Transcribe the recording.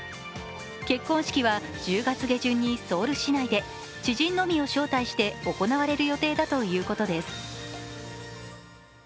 結婚式は１０月下旬にソウル市内で知人のみを招待して行われる予定だということです。